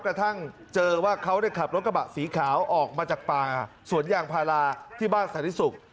กระทั่งเจอว่าเขาได้ขับรถกระบะสีขาวออกมาจากป่าสวนยางพาราที่บ้านสันติศุกร์